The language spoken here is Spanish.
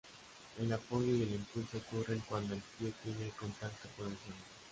El apoyo y el impulso ocurren cuando el pie tiene contacto con el suelo.